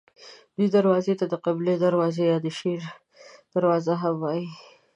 دې دروازې ته د قبیلو دروازه یا د شیر دروازه هم وایي.